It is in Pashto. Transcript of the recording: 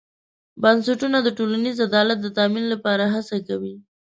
بنسټونه د ټولنیز عدالت د تامین لپاره هڅه کوي.